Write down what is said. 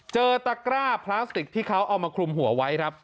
เจอตักร่าพลาสติกที่เขาเอามาคลุมหัวไว้